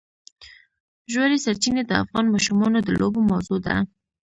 ژورې سرچینې د افغان ماشومانو د لوبو موضوع ده.